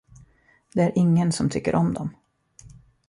Det är ingen som tycker om dom.